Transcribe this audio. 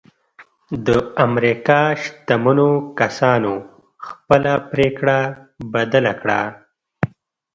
د امريکا شتمنو کسانو خپله پرېکړه بدله کړه.